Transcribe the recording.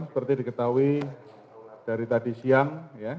seperti diketahui dari tadi siang